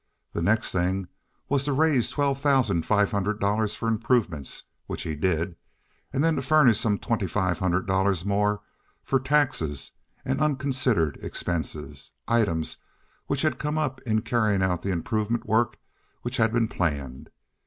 The next thing was to raise twelve thousand five hundred dollars for improvements, which he did, and then to furnish some twenty five hundred dollars more for taxes and unconsidered expenses, items which had come up in carrying out the improvement work which had been planned.